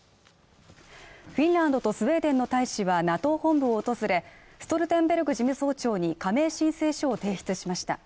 フィンランドとスウェーデンの大使はＮＡＴＯ本部を訪れストルテンベルグ事務総長に加盟申請書を提出しました。